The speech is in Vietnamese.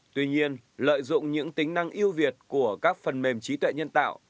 tuy nhiên lợi dụng những tính năng yêu việt của các phần mềm trí tuệ nhân tạo